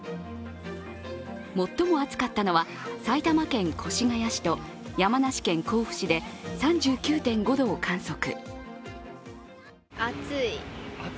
最も暑かったのは埼玉県越谷市と山梨県甲府市で３９．５度を記録。